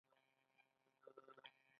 پیاز د عمر زیاتولو کې مرسته کوي